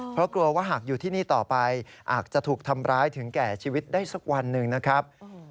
เพราะกลัวว่าหากอยู่ที่นี่ต่อไปอาจจะถูกทำร้ายถึงแก่ชีวิตได้สักวันหนึ่งนะครับ